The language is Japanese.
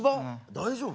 大丈夫？